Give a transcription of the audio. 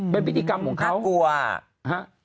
เป็นพิธีกรรมของเขากลัวฮะ